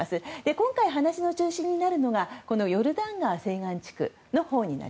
今回、話の中心になるのがヨルダン川西岸地区。